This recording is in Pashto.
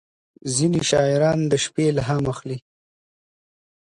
• ځینې شاعران د شپې الهام اخلي.